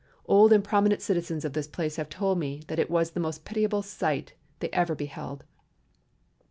Old and prominent citizens of this place have told me that it was the most pitiable sight they ever beheld.